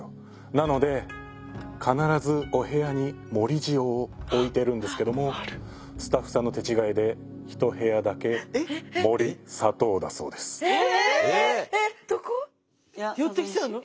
なので必ずお部屋に盛り塩を置いてるんですけどもスタッフさんの手違いで寄ってきちゃうの？